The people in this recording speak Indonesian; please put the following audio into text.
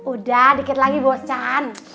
udah dikit lagi bosan